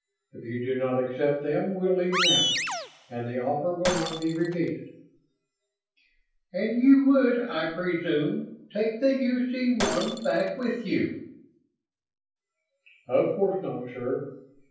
If you do not accept them we'll leave now and the offer will not be repeated." "And you would, I presume, take the UC 1 back with you?" "Of course not, sir.